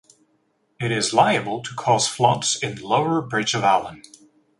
It is liable to cause floods in lower Bridge of Allan.